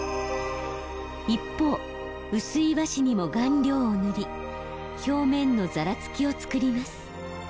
一方薄い和紙にも顔料を塗り表面のザラつきをつくります。